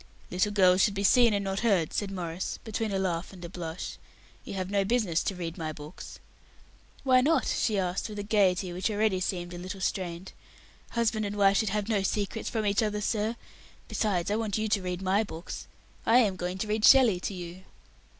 "Little girls should be seen and not heard," said Maurice, between a laugh and a blush. "You have no business to read my books." "Why not?" she asked, with a gaiety which already seemed a little strained; "husband and wife should have no secrets from each other, sir. Besides, I want you to read my books. I am going to read Shelley to you."